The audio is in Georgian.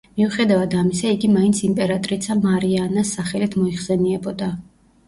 მიუხედავად ამისა, იგი მაინც იმპერატრიცა მარია ანას სახელით მოიხსენიებოდა.